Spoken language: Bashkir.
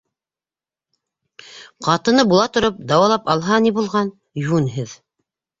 Ҡатыны була тороп, дауалап алһа, ни булған... йүнһеҙ.